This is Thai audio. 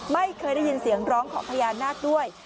ไม่เคยได้ยินเสียงร้องของพญานาคด้วย